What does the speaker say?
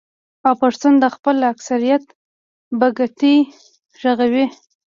او پښتون د خپل اکثريت بګتۍ ږغوي.